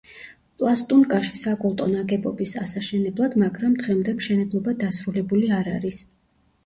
პლასტუნკაში საკულტო ნაგებობის ასაშენებლად, მაგრამ დღემდე მშენებლობა დასრულებული არ არის.